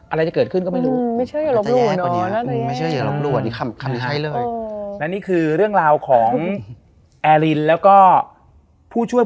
อะไรจะเกิดขึ้นก็ไม่รู้